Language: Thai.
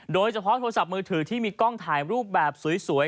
โดยเฉพาะโทรศัพท์มือถือที่มีกล้องถ่ายรูปแบบสวย